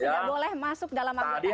tidak boleh masuk dalam anggota exco